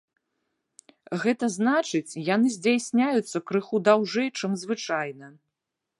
Гэта значыць, яны здзяйсняюцца крыху даўжэй, чым звычайна.